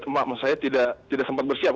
cuma saya tidak sempat bersiap